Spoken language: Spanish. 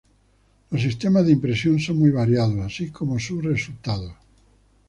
Los sistemas de impresión son muy variados, así como sus resultados.